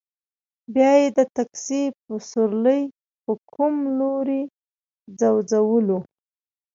بیا یې د تکسي په سورلۍ په کوم لوري ځوځولو.